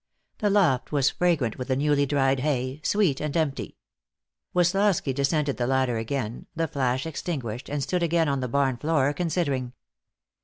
The loft was fragrant with the newly dried hay, sweet and empty. Woslosky descended the ladder again, the flash extinguished, and stood again on the barn floor, considering.